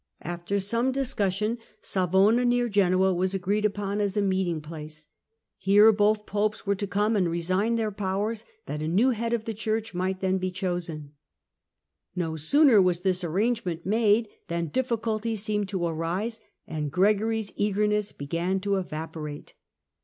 After some dis cussion, Savona near Genoa was agreed upon as a meet Proposed ing place. Here both Popes were to come and resign at°SaToM^ their powers that a new Head of the Church might then be chosen. No sooner was this arrangement made than difficulties seemed to arise, and Gregory's eagerness began to evaporate.